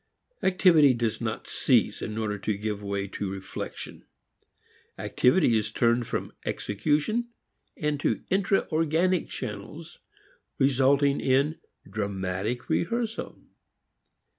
Activity does not cease in order to give way to reflection; activity is turned from execution into intra organic channels, resulting in dramatic rehearsal.